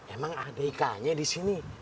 emang ada ikannya di sini